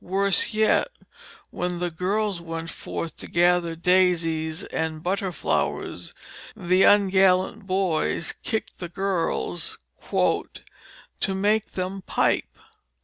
Worse yet, when the girls went forth to gather "daisies and butter flowers," the ungallant boys kicked the girls "to make them pipe."